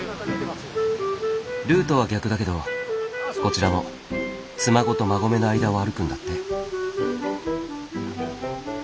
ルートは逆だけどこちらも妻籠と馬籠の間を歩くんだって。